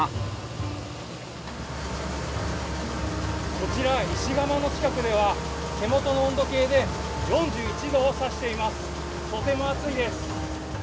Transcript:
こちら、石釜の近くでは、手元の温度計で４１度を指しています。